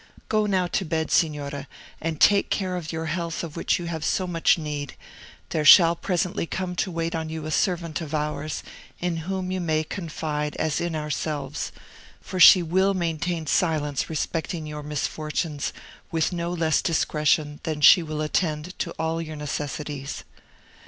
Go now to bed, Signora, and take that care of your health of which you have so much need; there shall presently come to wait on you a servant of ours, in whom you may confide as in ourselves, for she will maintain silence respecting your misfortunes with no less discretion than she will attend to all your necessities."